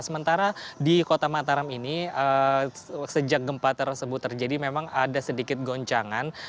sementara di kota mataram ini sejak gempa tersebut terjadi memang ada sedikit goncangan